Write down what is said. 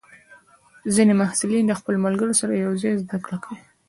ځینې محصلین د خپلو ملګرو سره یوځای زده کړه کوي.